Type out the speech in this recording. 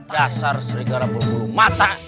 jasar serigala berbulu mata